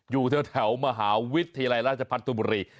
อยู่แถวมหาวิทยาลัยราชพัฒนบุรี